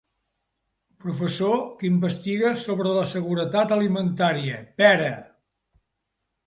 >>Professor que investiga sobre la seguretat alimentària: Pera.